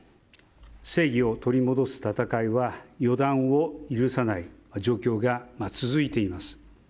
正義を取り戻す戦いは予断を許さない状況が続いています。